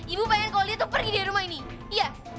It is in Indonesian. ibu pengen kulit tuh pergi dari rumah ini iya